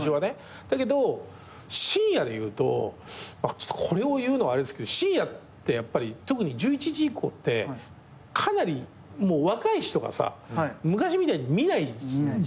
だけど深夜でいうとこれを言うのはあれですけど深夜ってやっぱり特に１１時以降ってかなりもう若い人がさ昔みたいに見ないじゃない。